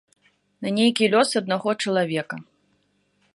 На нейкі лёс аднаго чалавека.